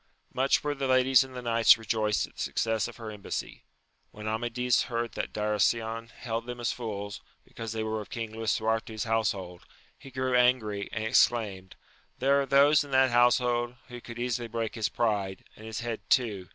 Much were the ladies and the knights rejoiced at the success of her embassy. When Amadis heard that Darasion held them as fools, because they were of King Lisuarte's household, he grew angry, and ex claimed, There are those in that household who could easily break his pride, and his head too